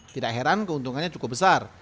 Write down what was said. tidak heran keuntungannya cukup besar